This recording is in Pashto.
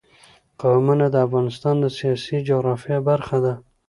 قومونه د افغانستان د سیاسي جغرافیه برخه ده.